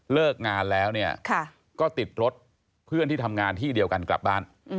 เลิกงานแล้วเนี่ยก็ติดรถเพื่อนที่ทำงานที่เดียวกันกลับบ้าน